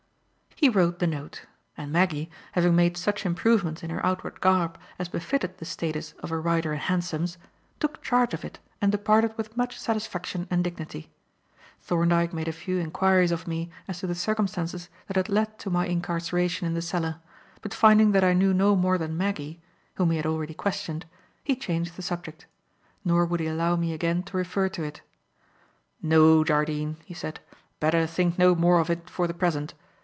He wrote the note; and Maggie, having made such improvements in her outward garb as befitted the status of a rider in hansoms, took charge of it and departed with much satisfaction and dignity. Thorndyke made a few enquiries of me as to the circumstances that had led to my incarceration in the cellar, but finding that I knew no more than Maggie whom he had already questioned he changed the subject; nor would he allow me again to refer to it. "No, Jardine," he said. "Better think no more of it for the present.